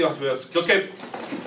気をつけ！